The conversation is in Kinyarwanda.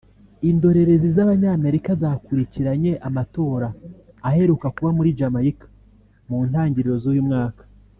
Indorerezi z’Abanyamerika zakurikiranye amatora aheruka kuba muri Jamaica mu ntangirizo z’uyu mwaka